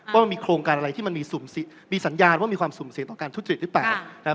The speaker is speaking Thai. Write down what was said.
ว่ามีโครงการอะไรที่มันมีสัญญาณว่ามีความสุ่มสินต่อการทุจริตหรือเปล่า